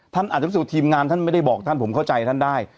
ท่านอาจจะพิสูจน์ทีมงานท่านไม่ได้บอกท่านผมเข้าใจท่านได้